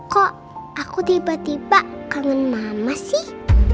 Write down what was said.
kok aku tiba tiba kangen mama sih